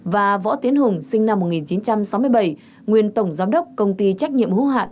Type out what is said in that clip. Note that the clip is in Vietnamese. và võ tiến hùng sinh năm một nghìn chín trăm sáu mươi bảy nguyên tổng giám đốc công ty trách nhiệm hữu hạn